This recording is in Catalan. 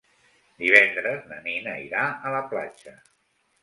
Divendres na Nina irà a la platja.